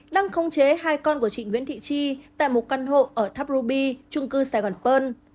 đang khống chế hai con của chị nguyễn thị chi tại một căn hộ ở tháp ruby trung cư sài gòn pơn